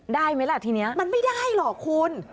ได้ไหมล่ะทีนี้มันไม่ได้หรอกคุณ